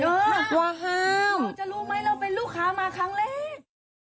เราจะรู้ไหมเราเป็นลูกค้ามาครั้งเล่น